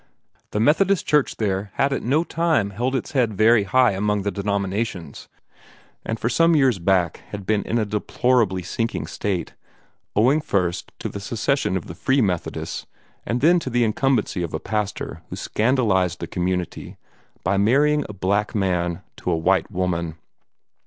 The Methodist Church there had at no time held its head very high among the denominations, and for some years back had been in a deplorably sinking state, owing first to the secession of the Free Methodists and then to the incumbency of a pastor who scandalized the community by marrying a black man to a white woman.